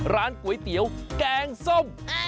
ร้านก๋วยเตี๋ยวแกงส้ม